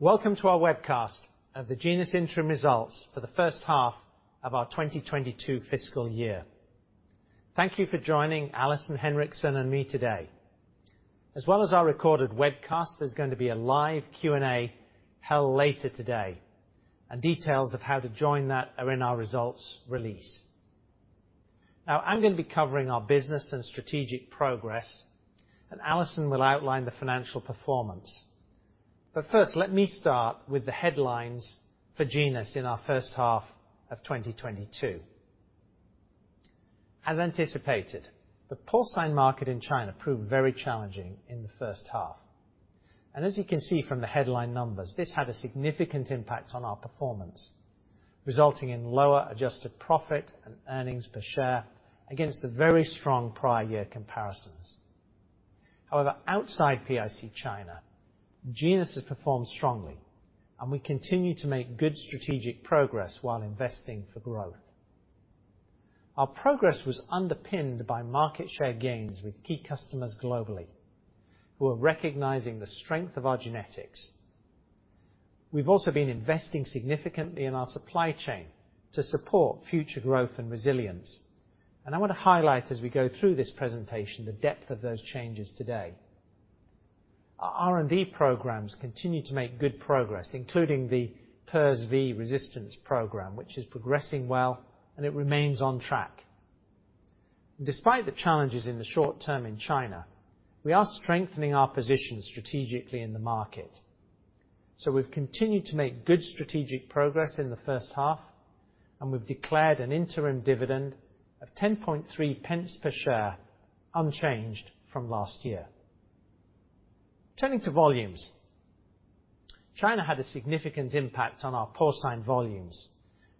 Welcome to our webcast of the Genus Interim Results for the first half of our 2022 fiscal year. Thank you for joining Alison Henriksen and me today. As well as our recorded webcast, there's gonna be a live Q&A held later today, and details of how to join that are in our results release. Now, I'm gonna be covering our business and strategic progress, and Alison will outline the financial performance. First, let me start with the headlines for Genus in our first half of 2022. As anticipated, the porcine market in China proved very challenging in the first half. As you can see from the headline numbers, this had a significant impact on our performance, resulting in lower adjusted profit and earnings per share against the very strong prior year comparisons. However, outside PIC China, Genus has performed strongly, and we continue to make good strategic progress while investing for growth. Our progress was underpinned by market share gains with key customers globally, who are recognizing the strength of our genetics. We've also been investing significantly in our supply chain to support future growth and resilience. And I wanna highlight as we go through this presentation, the depth of those changes today. Our R&D programs continue to make good progress, including the PRRSv Resistance Program, which is progressing well, and it remains on track. Despite the challenges in the short term in China, we are strengthening our position strategically in the market. We've continued to make good strategic progress in the first half, and we've declared an interim dividend of 10.3 pence per share, unchanged from last year. Turning to volumes. China had a significant impact on our porcine volumes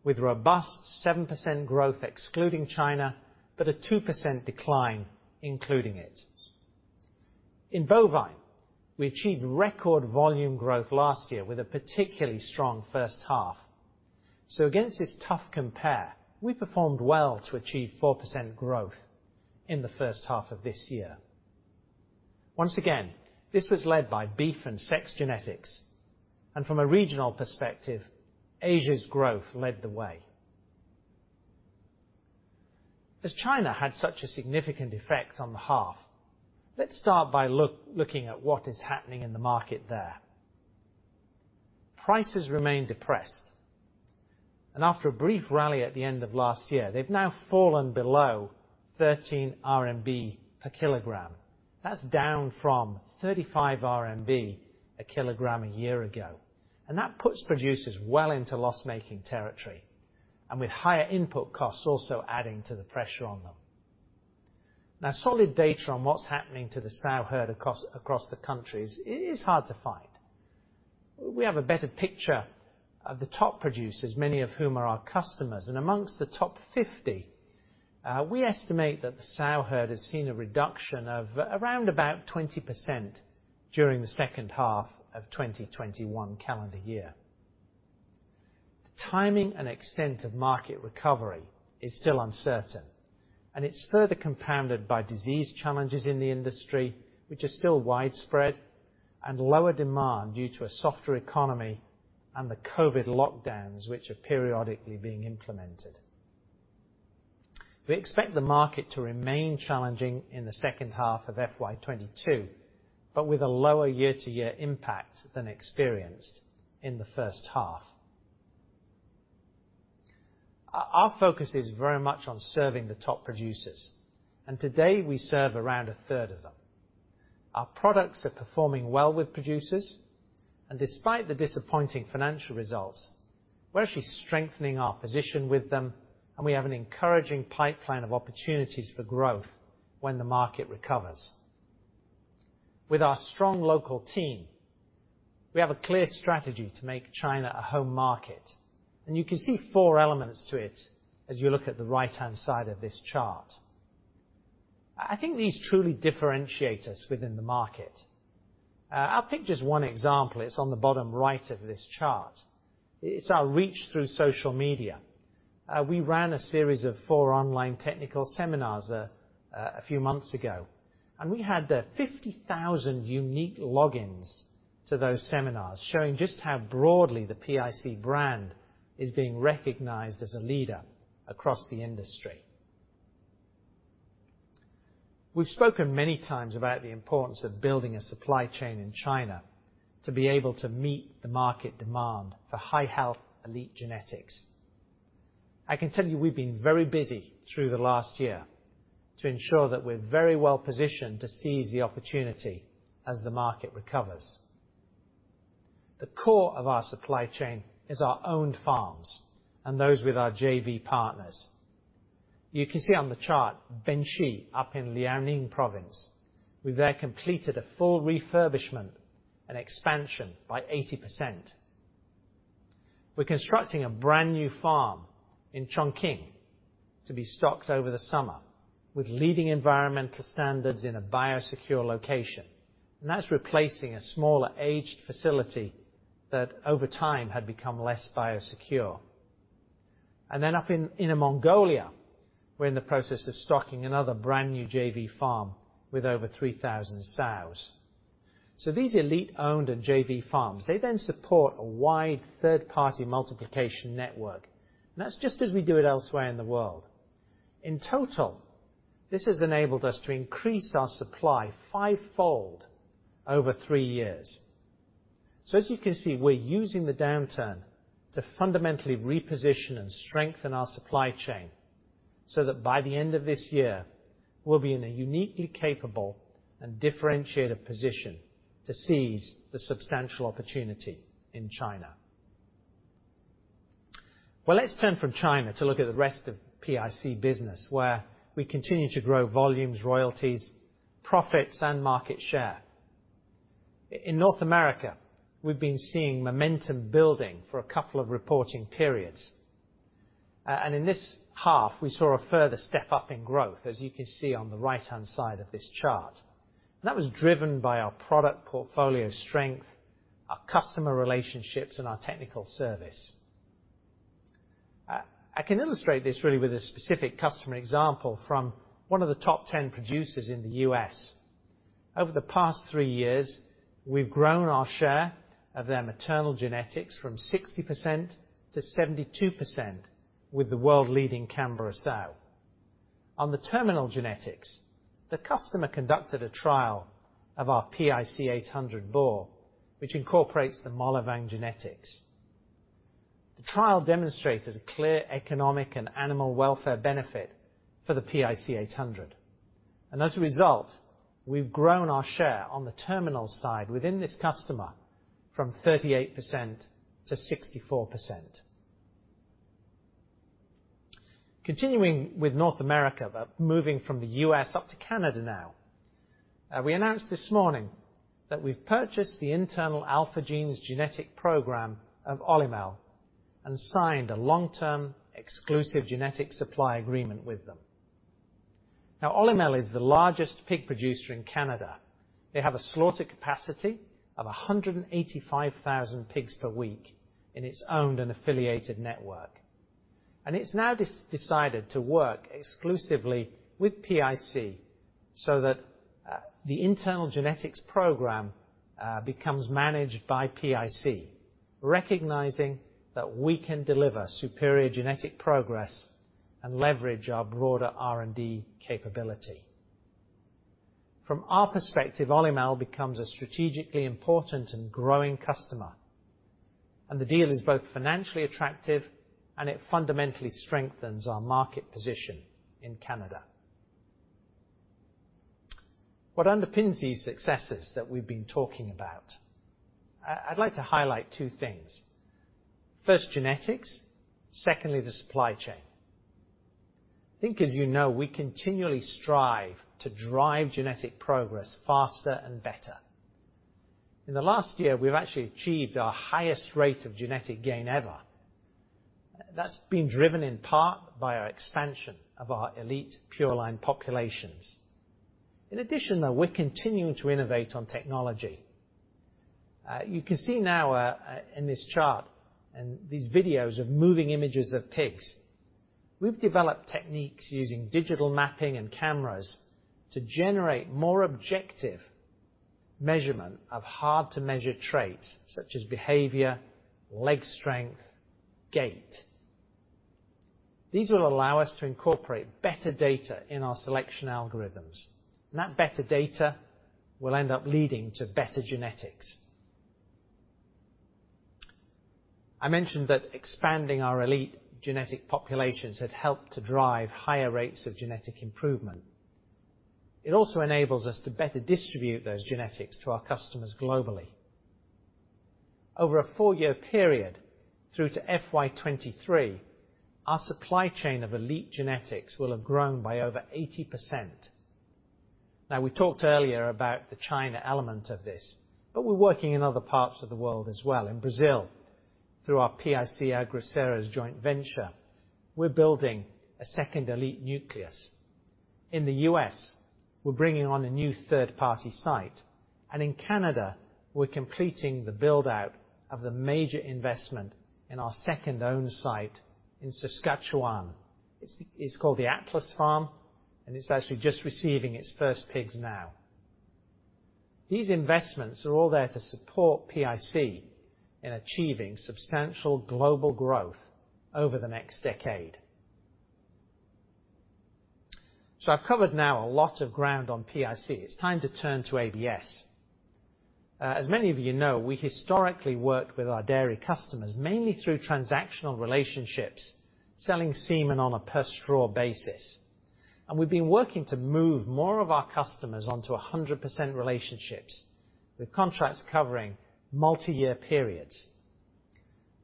with robust 7% growth excluding China, but a 2% decline including it. In bovine, we achieved record volume growth last year with a particularly strong first half. Against this tough compare, we performed well to achieve 4% growth in the first half of this year. Once again, this was led by beef and sexed genetics. From a regional perspective, Asia's growth led the way. As China had such a significant effect on the half, let's start by looking at what is happening in the market there. Prices remain depressed. After a brief rally at the end of last year, they've now fallen below 13 RMB per kilogram. That's down from 35 RMB a kilogram a year ago. That puts producers well into loss-making territory, and with higher input costs also adding to the pressure on them. Now, solid data on what's happening to the sow herd across the country is hard to find. We have a better picture of the top producers, many of whom are our customers. Among the top 50, we estimate that the sow herd has seen a reduction of around about 20% during the second half of 2021 calendar year. The timing and extent of market recovery is still uncertain, and it's further compounded by disease challenges in the industry, which are still widespread, and lower demand due to a softer economy and the COVID lockdowns, which are periodically being implemented. We expect the market to remain challenging in the second half of FY 2022, but with a lower year-to-year impact than experienced in the first half. Our focus is very much on serving the top producers, and to date, we serve around 1/3 of them. Our products are performing well with producers, and despite the disappointing financial results, we're actually strengthening our position with them, and we have an encouraging pipeline of opportunities for growth when the market recovers. With our strong local team, we have a clear strategy to make China a home market, and you can see four elements to it as you look at the right-hand side of this chart. I think these truly differentiate us within the market. I'll pick just one example. It's on the bottom right of this chart. It's our reach through social media. We ran a series of four online technical seminars a few months ago, and we had 50,000 unique logins to those seminars, showing just how broadly the PIC brand is being recognized as a leader across the industry. We've spoken many times about the importance of building a supply chain in China to be able to meet the market demand for high-health elite genetics. I can tell you, we've been very busy through the last year to ensure that we're very well positioned to seize the opportunity as the market recovers. The core of our supply chain is our own farms and those with our JV partners. You can see on the chart, Benxi up in Liaoning Province. We've, there, completed a full refurbishment and expansion by 80%. We're constructing a brand-new farm in Chongqing to be stocked over the summer with leading environmental standards in a biosecure location, and that's replacing a smaller aged facility that over time had become less biosecure. Then up in Inner Mongolia, we're in the process of stocking another brand-new JV farm with over 3,000 sows. These elite owned and JV farms, they then support a wide third-party multiplication network, and that's just as we do it elsewhere in the world. In total, this has enabled us to increase our supply fivefold over three years. As you can see, we're using the downturn to fundamentally reposition and strengthen our supply chain so that by the end of this year, we'll be in a uniquely capable and differentiated position to seize the substantial opportunity in China. Well, let's turn from China to look at the rest of PIC business, where we continue to grow volumes, royalties, profits, and market share. In North America, we've been seeing momentum building for a couple of reporting periods. In this half, we saw a further step up in growth, as you can see on the right-hand side of this chart. That was driven by our product portfolio strength, our customer relationships, and our technical service. I can illustrate this really with a specific customer example from one of the top 10 producers in the U.S. Over the past three years, we've grown our share of their maternal genetics from 60% to 72% with the world-leading Camborough sow. On the terminal genetics, the customer conducted a trial of our PIC 800 boar, which incorporates the Malavan genetics. The trial demonstrated a clear economic and animal welfare benefit for the PIC 800. As a result, we've grown our share on the terminal side within this customer from 38% to 64%. Continuing with North America, but moving from the U.S. up to Canada now. We announced this morning that we've purchased the internal AlphaGene genetic program of Olymel and signed a long-term exclusive genetic supply agreement with them. Now, Olymel is the largest pig producer in Canada. They have a slaughter capacity of 185,000 pigs per week in its owned and affiliated network. It's now decided to work exclusively with PIC so that, the internal genetics program, becomes managed by PIC, recognizing that we can deliver superior genetic progress and leverage our broader R&D capability. From our perspective, Olymel becomes a strategically important and growing customer, and the deal is both financially attractive, and it fundamentally strengthens our market position in Canada. What underpins these successes that we've been talking about, I'd like to highlight two things. First, genetics. Secondly, the supply chain. I think as you know, we continually strive to drive genetic progress faster and better. In the last year, we've actually achieved our highest rate of genetic gain ever. That's been driven in part by our expansion of our elite pureline populations. In addition, though, we're continuing to innovate on technology. You can see now, in this chart and these videos of moving images of pigs, we've developed techniques using digital mapping and cameras to generate more objective measurement of hard to measure traits, such as behavior, leg strength, gait. These will allow us to incorporate better data in our selection algorithms. That better data will end up leading to better genetics. I mentioned that expanding our elite genetic populations had helped to drive higher rates of genetic improvement. It also enables us to better distribute those genetics to our customers globally. Over a four-year period through to FY 2023, our supply chain of elite genetics will have grown by over 80%. Now, we talked earlier about the China element of this, but we're working in other parts of the world as well. In Brazil, through our Agroceres PIC joint venture, we're building a second elite nucleus. In the U.S., we're bringing on a new third-party site. In Canada, we're completing the build-out of the major investment in our second own site in Saskatchewan. It's called the Atlas Farm, and it's actually just receiving its first pigs now. These investments are all there to support PIC in achieving substantial global growth over the next decade. I've covered now a lot of ground on PIC. It's time to turn to ABS. As many of you know, we historically work with our dairy customers, mainly through transactional relationships, selling semen on a per-straw basis. We've been working to move more of our customers onto 100% relationships, with contracts covering multi-year periods.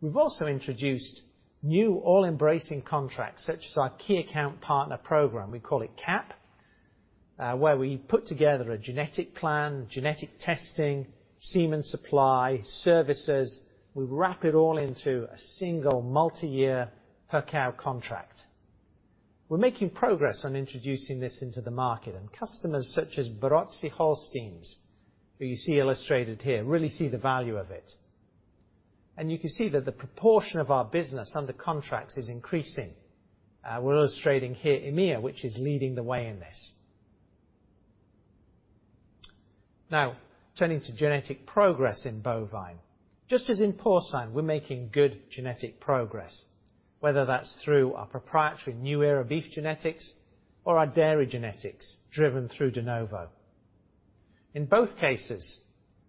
We've also introduced new all-embracing contracts, such as our Key Account Partner program, we call it CAP, where we put together a genetic plan, genetic testing, semen supply, services. We wrap it all into a single multi-year per-cow contract. We're making progress on introducing this into the market, and customers such as Brocks Holsteins, who you see illustrated here, really see the value of it. You can see that the proportion of our business under contracts is increasing. We're illustrating here EMEA, which is leading the way in this. Now, turning to genetic progress in bovine. Just as in porcine, we're making good genetic progress, whether that's through our proprietary NuEra beef genetics or our dairy genetics driven through DeNovo. In both cases,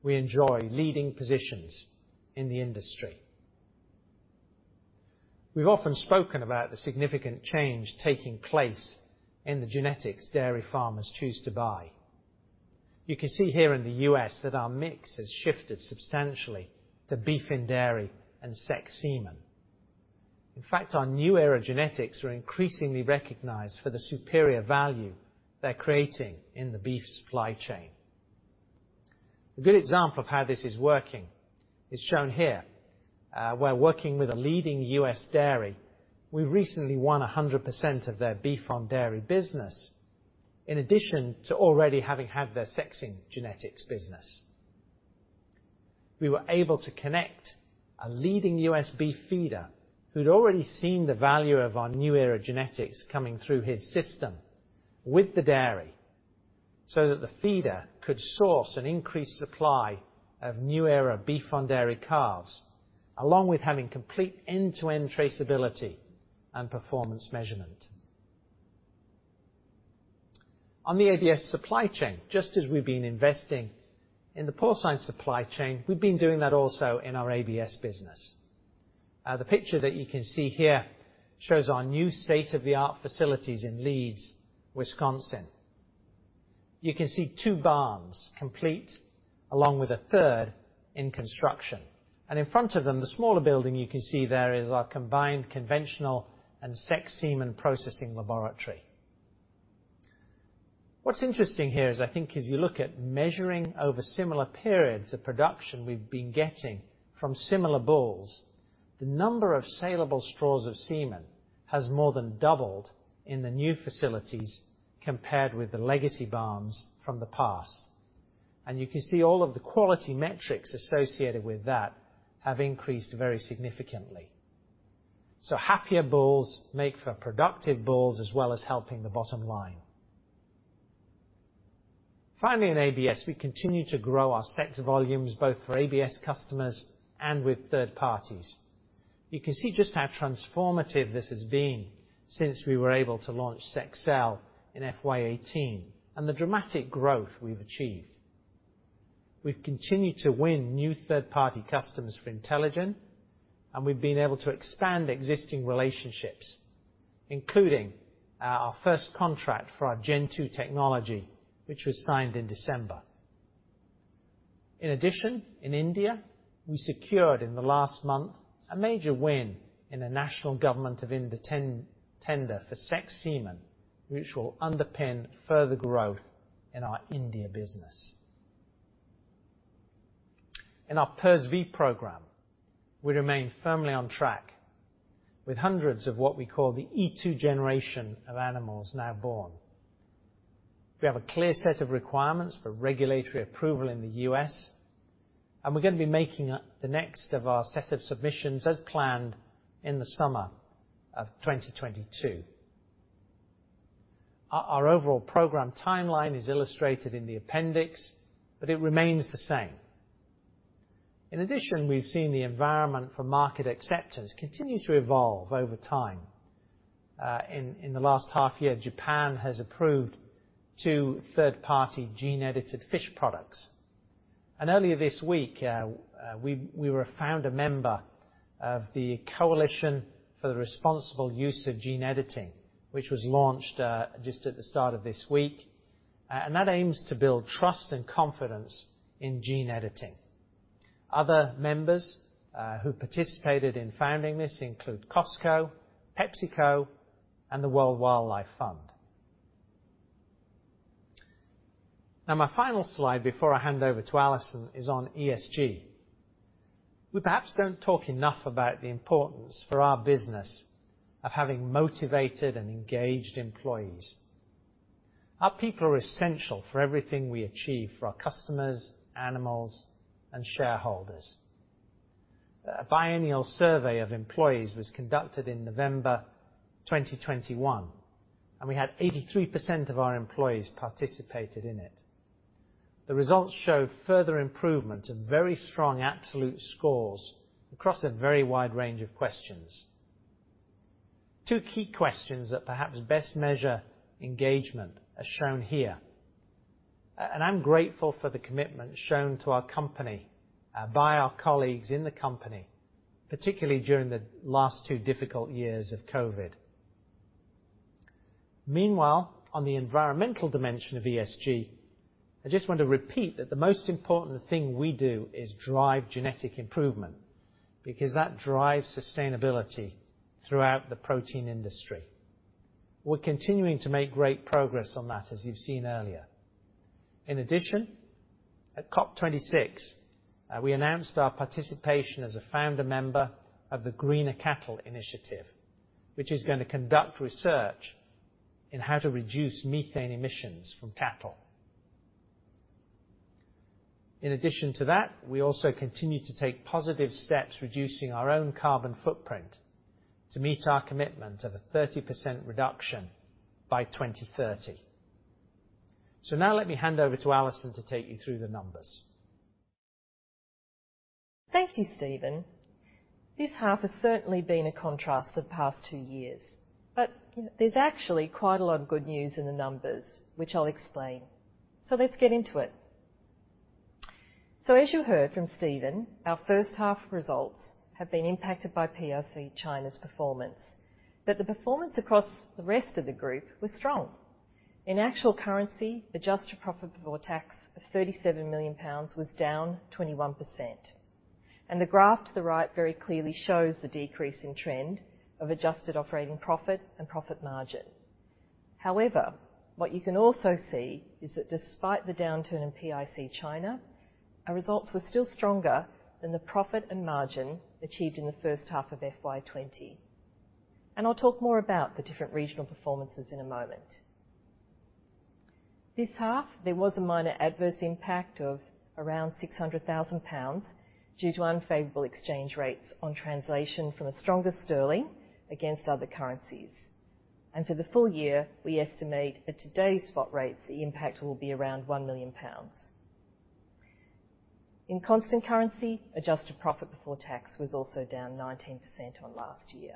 we enjoy leading positions in the industry. We've often spoken about the significant change taking place in the genetics dairy farmers choose to buy. You can see here in the U.S. that our mix has shifted substantially to beef and dairy and Sexcel semen. In fact, our NuEra genetics are increasingly recognized for the superior value they're creating in the beef supply chain. A good example of how this is working is shown here, where we're working with a leading U.S. dairy, we've recently won 100% of their beef on dairy business, in addition to already having had their sexing genetics business. We were able to connect a leading U.S. beef feeder who'd already seen the value of our NuEra genetics coming through his system with the dairy so that the feeder could source an increased supply of NuEra beef on dairy calves, along with having complete end-to-end traceability and performance measurement. On the ABS supply chain, just as we've been investing in the porcine supply chain, we've been doing that also in our ABS business. The picture that you can see here shows our new state-of-the-art facilities in De Forest, Wisconsin. You can see two barns complete along with a third in construction. In front of them, the smaller building you can see there is our combined conventional and sexed semen processing laboratory. What's interesting here is I think as you look at measuring over similar periods of production we've been getting from similar bulls, the number of salable straws of semen has more than doubled in the new facilities compared with the legacy barns from the past. You can see all of the quality metrics associated with that have increased very significantly. Happier bulls make for productive bulls, as well as helping the bottom line. Finally, in ABS, we continue to grow our sexed volumes, both for ABS customers and with third parties. You can see just how transformative this has been since we were able to launch Sexcel in FY 2018 and the dramatic growth we've achieved. We've continued to win new third-party customers for IntelliGen, and we've been able to expand existing relationships, including our first contract for our Gen 2 technology, which was signed in December. In addition, in India, we secured in the last month a major win in a national government of India tender for sexed semen, which will underpin further growth in our India business. In our PRRSv program, we remain firmly on track with hundreds of what we call the E2 generation of animals now born. We have a clear set of requirements for regulatory approval in the U.S., and we're gonna be making the next of our set of submissions as planned in the summer of 2022. Our overall program timeline is illustrated in the appendix, but it remains the same. In addition, we've seen the environment for market acceptance continue to evolve over time. In the last half year, Japan has approved two third-party gene-edited fish products. Earlier this week, we were a founder member of the Coalition for the Responsible Use of Gene Editing, which was launched just at the start of this week. That aims to build trust and confidence in gene editing. Other members who participated in founding this include Costco, PepsiCo, and the World Wildlife Fund. Now, my final slide before I hand over to Alison is on ESG. We perhaps don't talk enough about the importance for our business of having motivated and engaged employees. Our people are essential for everything we achieve for our customers, animals, and shareholders. A biennial survey of employees was conducted in November 2021, and we had 83% of our employees participated in it. The results show further improvement and very strong absolute scores across a very wide range of questions. Two key questions that perhaps best measure engagement are shown here. I'm grateful for the commitment shown to our company by our colleagues in the company, particularly during the last two difficult years of COVID. Meanwhile, on the environmental dimension of ESG, I just want to repeat that the most important thing we do is drive genetic improvement because that drives sustainability throughout the protein industry. We're continuing to make great progress on that, as you've seen earlier. In addition, at COP26, we announced our participation as a founder member of the Greener Cattle Initiative, which is gonna conduct research in how to reduce methane emissions from cattle. In addition to that, we also continue to take positive steps reducing our own carbon footprint to meet our commitment of a 30% reduction by 2030. Now let me hand over to Alison to take you through the numbers. Thank you, Stephen. This half has certainly been a contrast to the past two years, but there's actually quite a lot of good news in the numbers, which I'll explain. Let's get into it. As you heard from Stephen, our first half results have been impacted by PIC China's performance, but the performance across the rest of the group was strong. In actual currency, adjusted profit before tax of 37 million pounds was down 21%, and the graph to the right very clearly shows the decreasing trend of adjusted operating profit and profit margin. However, what you can also see is that despite the downturn in PIC China, our results were still stronger than the profit and margin achieved in the first half of FY 2020. I'll talk more about the different regional performances in a moment. This half, there was a minor adverse impact of around 600 thousand pounds due to unfavorable exchange rates on translation from a stronger sterling against other currencies. For the full year, we estimate at today's spot rates, the impact will be around 1 million pounds. In constant currency, adjusted profit before tax was also down 19% on last year.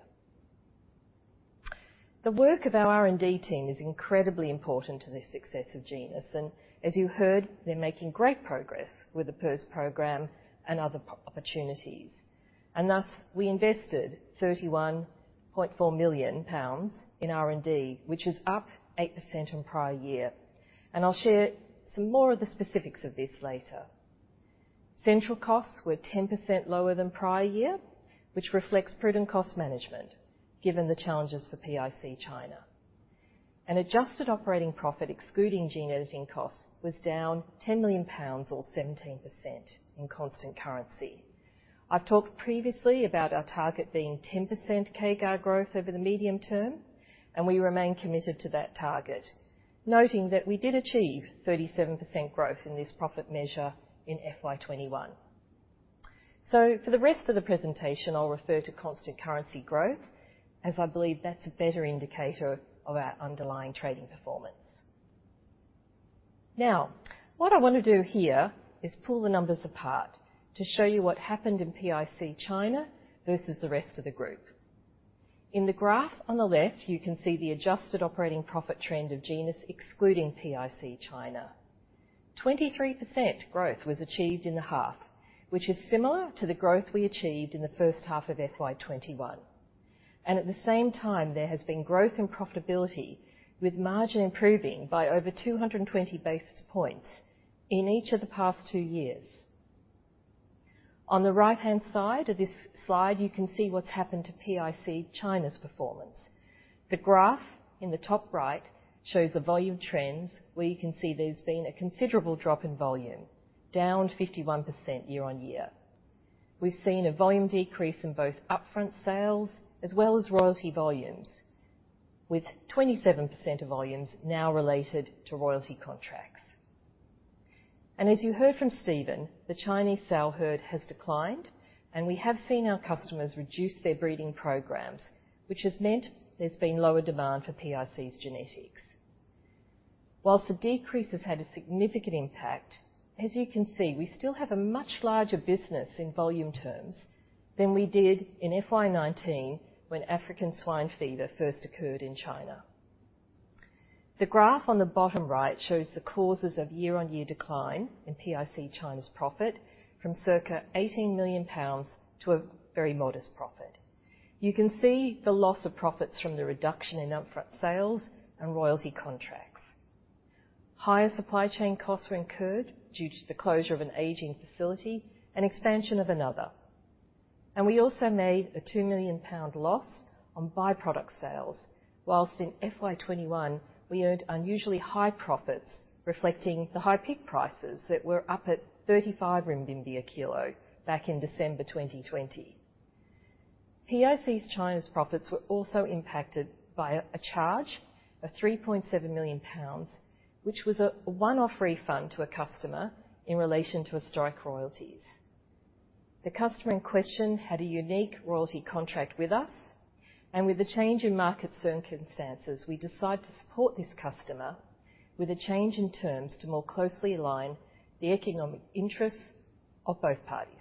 The work of our R&D team is incredibly important to the success of Genus, and as you heard, they're making great progress with the PRRS program and other opportunities. Thus, we invested 31.4 million pounds in R&D, which is up 8% on prior year. Central costs were 10% lower than prior year, which reflects prudent cost management given the challenges for PIC China. An adjusted operating profit excluding gene editing costs was down 10 million pounds or 17% in constant currency. I've talked previously about our target being 10% CAGR growth over the medium term, and we remain committed to that target, noting that we did achieve 37% growth in this profit measure in FY 2021. For the rest of the presentation, I'll refer to constant currency growth as I believe that's a better indicator of our underlying trading performance. Now, what I wanna do here is pull the numbers apart to show you what happened in PIC China versus the rest of the group. In the graph on the left, you can see the adjusted operating profit trend of Genus excluding PIC China. 23% growth was achieved in the half, which is similar to the growth we achieved in the first half of FY 2021. At the same time, there has been growth and profitability, with margin improving by over 220 basis points in each of the past two years. On the right-hand side of this slide, you can see what's happened to PIC China's performance. The graph in the top right shows the volume trends, where you can see there's been a considerable drop in volume, down 51% year-on-year. We've seen a volume decrease in both upfront sales as well as royalty volumes, with 27% of volumes now related to royalty contracts. As you heard from Stephen, the Chinese sow herd has declined, and we have seen our customers reduce their breeding programs, which has meant there's been lower demand for PIC's genetics. While the decrease has had a significant impact, as you can see, we still have a much larger business in volume terms than we did in FY 2019 when African swine fever first occurred in China. The graph on the bottom right shows the causes of year-on-year decline in PIC China's profit from circa 18 million pounds to a very modest profit. You can see the loss of profits from the reduction in upfront sales and royalty contracts. Higher supply chain costs were incurred due to the closure of an aging facility and expansion of another. We also made a 2 million pound loss on by-product sales, while in FY 2021 we earned unusually high profits reflecting the high peak prices that were up at 35 RMB a kilo back in December 2020. PIC China's profits were also impacted by a charge of 3.7 million pounds, which was a one-off refund to a customer in relation to historic royalties. The customer in question had a unique royalty contract with us, and with the change in market circumstances, we decided to support this customer with a change in terms to more closely align the economic interests of both parties.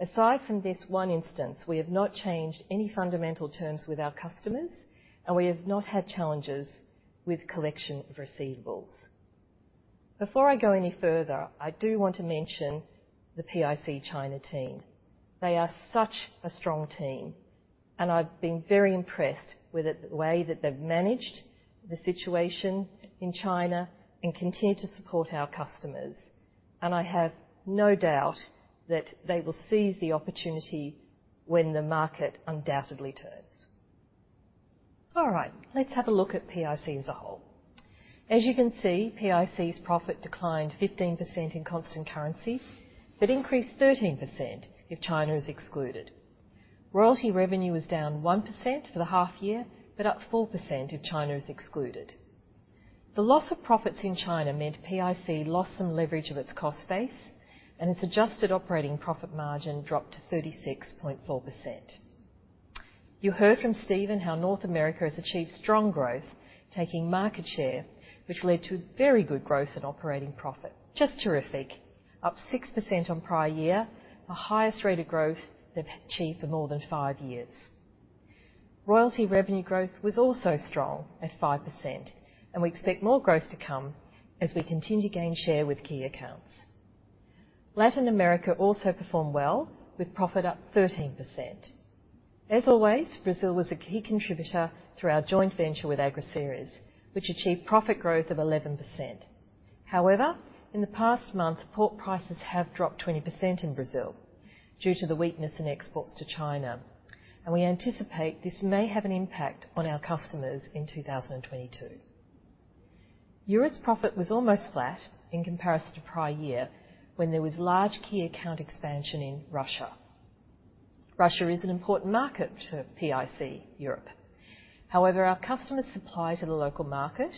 Aside from this one instance, we have not changed any fundamental terms with our customers, and we have not had challenges with collection of receivables. Before I go any further, I do want to mention the PIC China team. They are such a strong team, and I've been very impressed with the way that they've managed the situation in China and continue to support our customers. I have no doubt that they will seize the opportunity when the market undoubtedly turns. All right, let's have a look at PIC as a whole. As you can see, PIC's profit declined 15% in constant currency, but increased 13% if China is excluded. Royalty revenue is down 1% for the half year, but up 4% if China is excluded. The loss of profits in China meant PIC lost some leverage of its cost base, and its adjusted operating profit margin dropped to 36.4%. You heard from Stephen how North America has achieved strong growth, taking market share, which led to very good growth in operating profit. Just terrific. Up 6% on prior year, the highest rate of growth they've achieved for more than five years. Royalty revenue growth was also strong at 5%, and we expect more growth to come as we continue to gain share with key accounts. Latin America also performed well, with profit up 13%. As always, Brazil was a key contributor through our joint venture with Agroceres, which achieved profit growth of 11%. However, in the past month, pork prices have dropped 20% in Brazil due to the weakness in exports to China, and we anticipate this may have an impact on our customers in 2022. Europe's profit was almost flat in comparison to prior year when there was large key account expansion in Russia. Russia is an important market for PIC Europe. However, our customers supply to the local market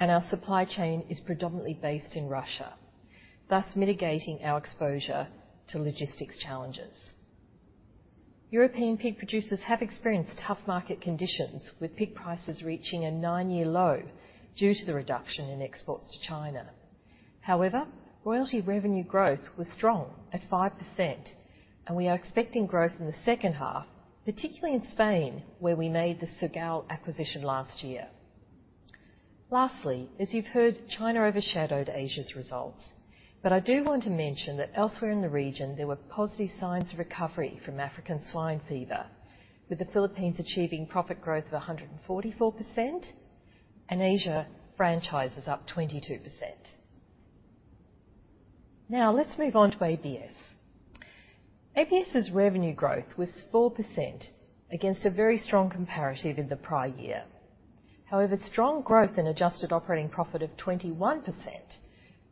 and our supply chain is predominantly based in Russia, thus mitigating our exposure to logistics challenges. European pig producers have experienced tough market conditions, with pig prices reaching a nine-year low due to the reduction in exports to China. However, royalty revenue growth was strong at 5%, and we are expecting growth in the second half, particularly in Spain, where we made the Sergal acquisition last year. Lastly, as you've heard, China overshadowed Asia's results, but I do want to mention that elsewhere in the region, there were positive signs of recovery from African Swine Fever, with the Philippines achieving profit growth of 144% and Asia franchises up 22%. Now, let's move on to ABS. ABS's revenue growth was 4% against a very strong comparative in the prior year. However, strong growth in adjusted operating profit of 21%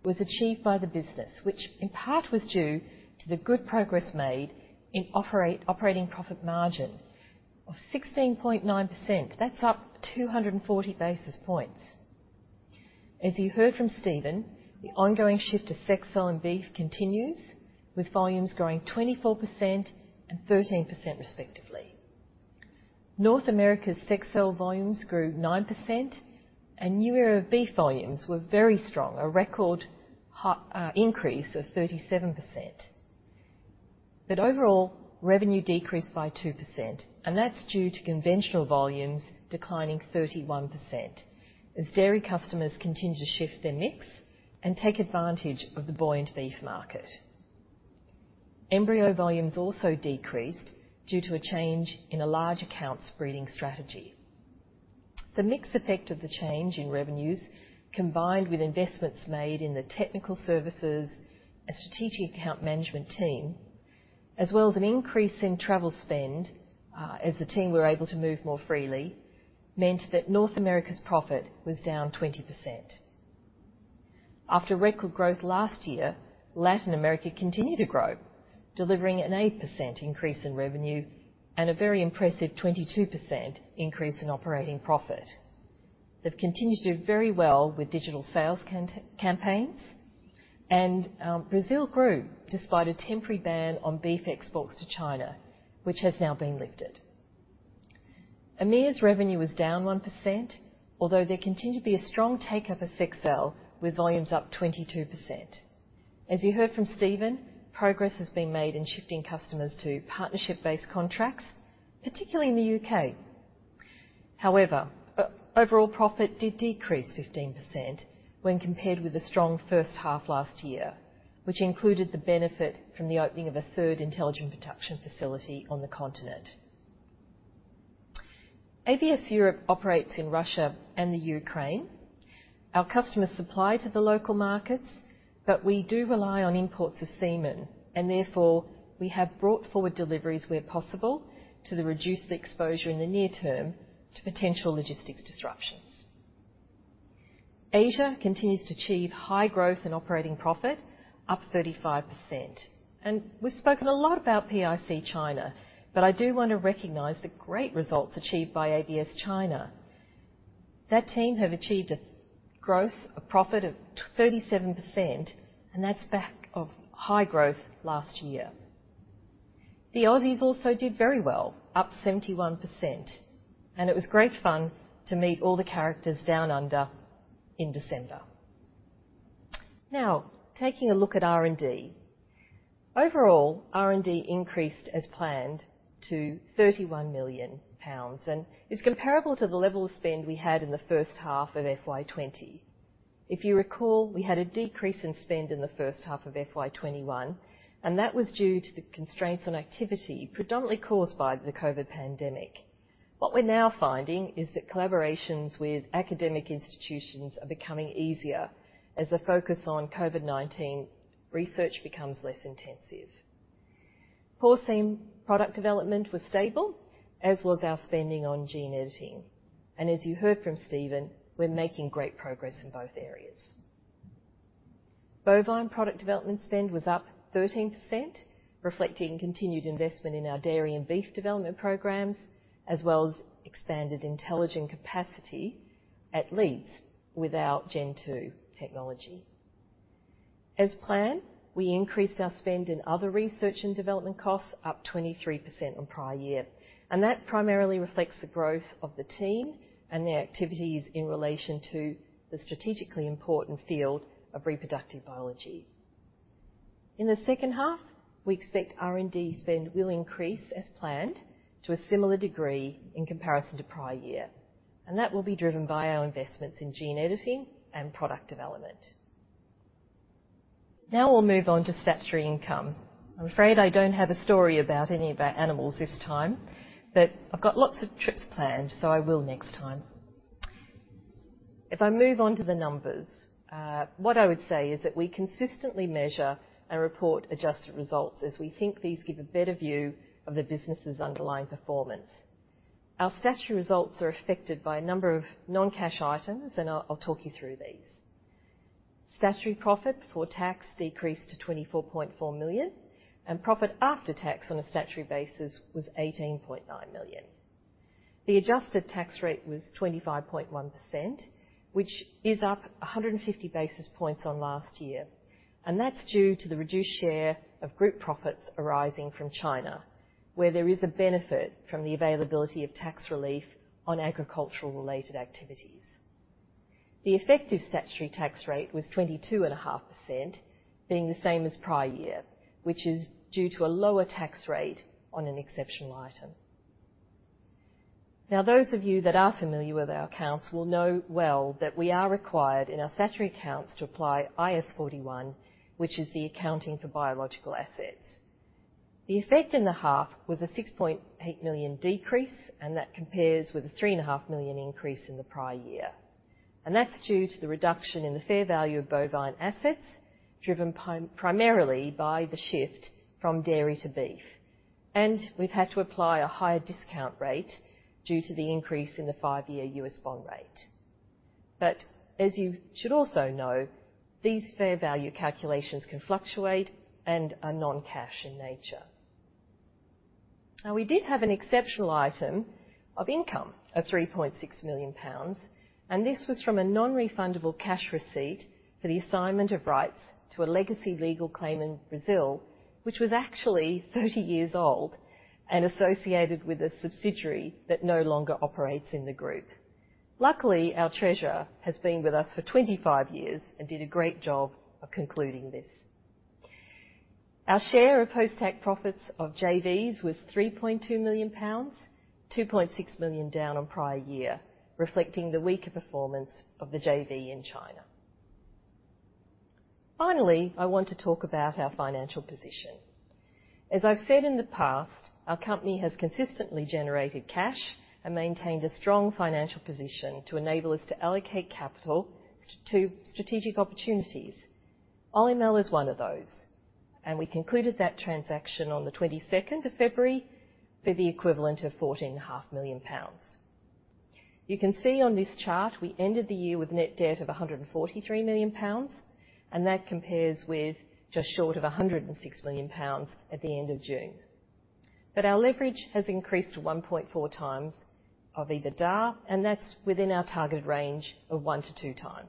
was achieved by the business, which in part was due to the good progress made in operating profit margin of 16.9%. That's up 240 basis points. As you heard from Stephen, the ongoing shift to Sexcel and beef continues, with volumes growing 24% and 13% respectively. North America's Sexcel volumes grew 9%, and NuEra beef volumes were very strong, a record high increase of 37%. Overall, revenue decreased by 2%, and that's due to conventional volumes declining 31% as dairy customers continue to shift their mix and take advantage of the buoyant beef market. Embryo volumes also decreased due to a change in a large account's breeding strategy. The mix effect of the change in revenues, combined with investments made in the technical services, a strategic account management team, as well as an increase in travel spend, as the team were able to move more freely, meant that North America's profit was down 20%. After record growth last year, Latin America continued to grow, delivering an 8% increase in revenue and a very impressive 22% increase in operating profit. They've continued to do very well with digital sales campaigns, and Brazil grew despite a temporary ban on beef exports to China, which has now been lifted. EMEA's revenue was down 1%, although there continued to be a strong take-up of Sexcel, with volumes up 22%. As you heard from Stephen, progress has been made in shifting customers to partnership-based contracts, particularly in the U.K. However, overall profit did decrease 15% when compared with the strong first half last year, which included the benefit from the opening of a third intelligent production facility on the continent. ABS Europe operates in Russia and Ukraine. Our customers supply to the local markets, but we do rely on imports of semen and therefore we have brought forward deliveries where possible to reduce the exposure in the near term to potential logistics disruptions. Asia continues to achieve high growth in operating profit, up 35%. We've spoken a lot about PIC China, but I do want to recognize the great results achieved by ABS China. That team have achieved a growth, a profit of 37%, and that's backed off high growth last year. The Aussies also did very well, up 71%, and it was great fun to meet all the characters Down Under in December. Now, taking a look at R&D. Overall, R&D increased as planned to 31 million pounds, and is comparable to the level of spend we had in the first half of FY 2020. If you recall, we had a decrease in spend in the first half of FY 2021, and that was due to the constraints on activity predominantly caused by the COVID pandemic. What we're now finding is that collaborations with academic institutions are becoming easier as the focus on COVID-19 research becomes less intensive. Porcine product development was stable, as was our spending on gene editing. As you heard from Steven, we're making great progress in both areas. Bovine product development spend was up 13%, reflecting continued investment in our dairy and beef development programs, as well as expanded IntelliGen capacity at Leeds with our Gen2 technology. As planned, we increased our spend in other research and development costs, up 23% on prior year, and that primarily reflects the growth of the team and their activities in relation to the strategically important field of reproductive biology. In the second half, we expect R&D spend will increase as planned to a similar degree in comparison to prior year, and that will be driven by our investments in gene editing and product development. Now we'll move on to statutory income. I'm afraid I don't have a story about any of our animals this time, but I've got lots of trips planned, so I will next time. If I move on to the numbers, what I would say is that we consistently measure and report adjusted results as we think these give a better view of the business's underlying performance. Our statutory results are affected by a number of non-cash items, and I'll talk you through these. Statutory profit before tax decreased to 24.4 million, and profit after tax on a statutory basis was 18.9 million. The adjusted tax rate was 25.1%, which is up 150 basis points on last year, and that's due to the reduced share of group profits arising from China, where there is a benefit from the availability of tax relief on agricultural-related activities. The effective statutory tax rate was 22.5%, being the same as prior year, which is due to a lower tax rate on an exceptional item. Now those of you that are familiar with our accounts will know well that we are required in our statutory accounts to apply IAS 41, which is the accounting for biological assets. The effect in the half was a 6.8 million decrease, and that compares with a 3.5 million increase in the prior year, and that's due to the reduction in the fair value of bovine assets, driven primarily by the shift from dairy to beef. We've had to apply a higher discount rate due to the increase in the five-year U.S. bond rate. As you should also know, these fair value calculations can fluctuate and are non-cash in nature. Now we did have an exceptional item of income of 3.6 million pounds, and this was from a non-refundable cash receipt for the assignment of rights to a legacy legal claim in Brazil, which was actually 30 years old and associated with a subsidiary that no longer operates in the group. Luckily, our treasurer has been with us for 25 years and did a great job of concluding this. Our share of post-tax profits of JVs was 3.2 million pounds, 2.6 million down on prior year, reflecting the weaker performance of the JV in China. Finally, I want to talk about our financial position. As I've said in the past, our company has consistently generated cash and maintained a strong financial position to enable us to allocate capital to strategic opportunities. Olymel is one of those, and we concluded that transaction on the 22nd of February for the equivalent of 14.5 Million pounds. You can see on this chart, we ended the year with net debt of 143 million pounds, and that compares with just short of 106 million pounds at the end of June. Our leverage has increased to 1.4x EBITDA, and that's within our targeted range of 1x - 2x.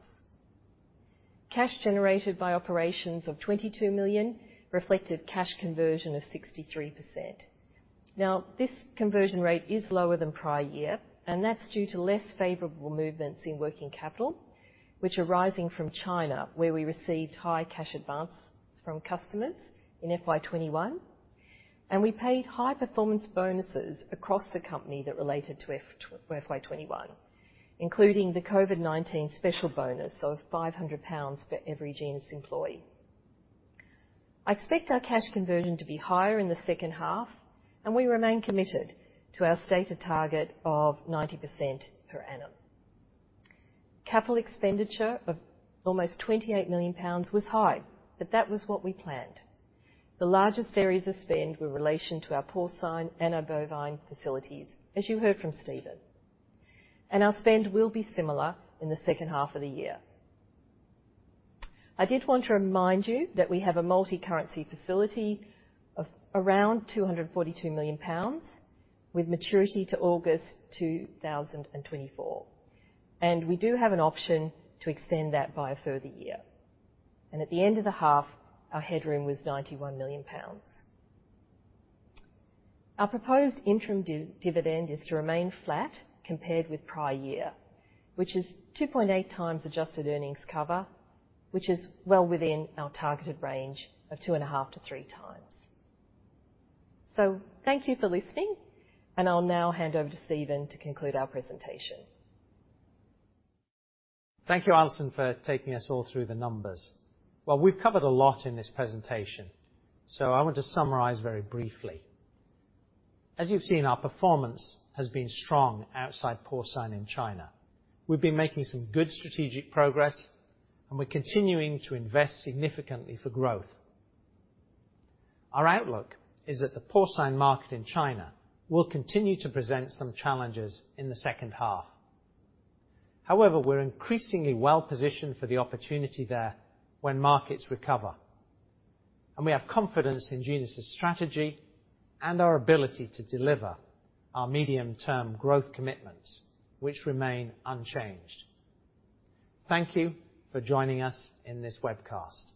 Cash generated by operations of 22 million reflected cash conversion of 63%. This conversion rate is lower than prior year, and that's due to less favorable movements in working capital, arising from China, where we received high cash advance from customers in FY 2021, and we paid high performance bonuses across the company that related to FY 2021, including the COVID-19 special bonus of 500 pounds for every Genus employee. I expect our cash conversion to be higher in the second half, and we remain committed to our stated target of 90% per annum. Capital expenditure of almost 28 million pounds was high, but that was what we planned. The largest areas of spend were in relation to our porcine and our bovine facilities, as you heard from Stephen. Our spend will be similar in the second half of the year. I did want to remind you that we have a multi-currency facility of around 242 million pounds with maturity to August 2024, and we do have an option to extend that by a further year. At the end of the half, our headroom was 91 million pounds. Our proposed interim dividend is to remain flat compared with prior year, which is 2.8x adjusted earnings cover, which is well within our targeted range of 2.5x-3x. Thank you for listening, and I'll now hand over to Stephen to conclude our presentation. Thank you, Alison, for taking us all through the numbers. Well, we've covered a lot in this presentation, so I want to summarize very briefly. As you've seen, our performance has been strong outside porcine in China. We've been making some good strategic progress, and we're continuing to invest significantly for growth. Our outlook is that the porcine market in China will continue to present some challenges in the second half. However, we're increasingly well-positioned for the opportunity there when markets recover, and we have confidence in Genus' strategy and our ability to deliver our medium-term growth commitments, which remain unchanged. Thank you for joining us in this webcast.